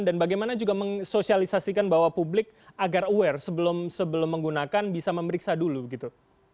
dan bagaimana juga meng sosialisasikkan bawah publik agar aware sebelum menggunakan bisa memeriksa dulu gitu